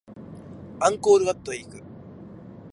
アンコールワットへ行く